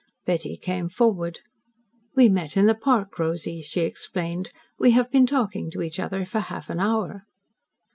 Betty came forward. "We met in the park, Rosy," she explained. "We have been talking to each other for half an hour."